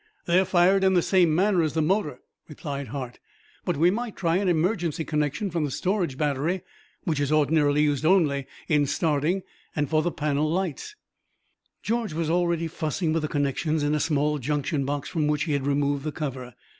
"They are fired in the same manner as the motor," replied Hart; "but we might try an emergency connection from the storage battery, which is ordinarily used only in starting and for the panel lights." George was already fussing with the connections in a small junction box from which he had removed the cover.